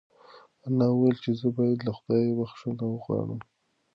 انا وویل چې زه باید له خدایه بښنه وغواړم.